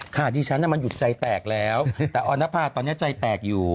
ดิฉันมันหยุดใจแตกแล้วแต่ออนภาตอนนี้ใจแตกอยู่